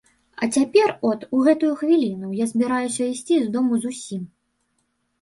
А цяпер от, у гэтую хвіліну, я збіраюся ісці з дому зусім.